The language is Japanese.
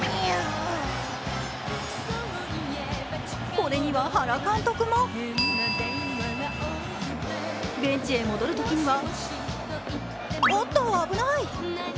これには原監督もベンチへ戻るときにはおっと危ない。